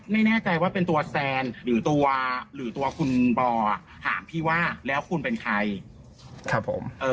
ไม่แน่ใจว่าเป็นตัวแซนหรือตัวหรือตัวคุณบอถามพี่ว่าแล้วคุณเป็นใครครับผม